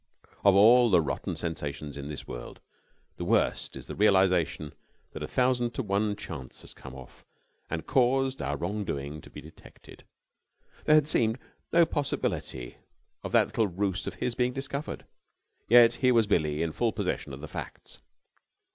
Of all the rotten sensations in this world, the worst is the realisation that a thousand to one chance has come off, and caused our wrong doing to be detected. There had seemed no possibility of that little ruse of his being discovered, and yet here was Billie in full possession of the facts.